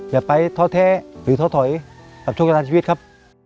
อย่าไปท้อแท้หรือท้อถอยกับช่วงเวลาชีวิตครับ